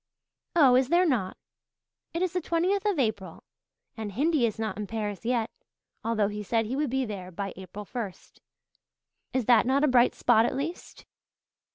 "Oh, is there not? It is the twentieth of April, and Hindy is not in Paris yet, although he said he would be there by April first. Is that not a bright spot at least?"